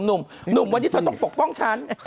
หนุ่มวันนี้เธอต้องปกป้องฉัน